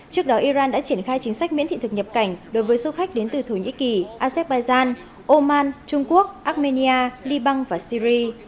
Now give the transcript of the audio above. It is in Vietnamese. trước đó iran đã triển khai chính sách miễn thị thực nhập cảnh đối với du khách đến từ thổ nhĩ kỳ azerbaijan oman trung quốc armenia liban và syri